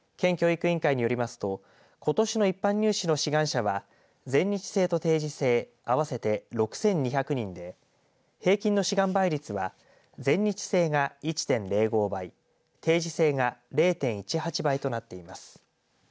県教育委員会によりますとことしの一般入試の志願者は全日制と定時制合わせて６２００人で平均の志願倍率は全日制が１．０５倍定時制が０．１８倍となっています。